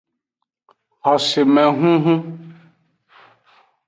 Xosemehunhun.